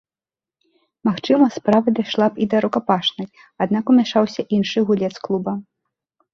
Магчыма, справа дайшла бы і да рукапашнай, аднак умяшаўся іншы гулец клуба.